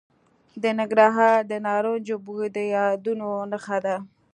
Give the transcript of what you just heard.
د ننګرهار د نارنجو بوی د یادونو نښه ده.